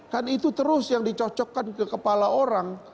kan itu terus yang dicocokkan ke kepala orang